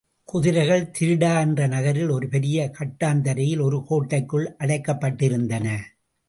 குதிரைகள் திரிடா என்ற நகரில், ஒரு பெரிய கட்டாந்தரையில், ஒரு கோட்டைக்குள் அடைக்கப்பட்டிருந்தன.